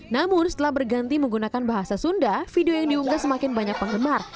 namun setelah berganti menggunakan bahasa sunda video yang diunggah semakin banyak penggemar